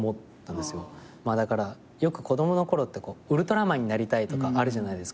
だからよく子供の頃ってウルトラマンになりたいとかあるじゃないですか。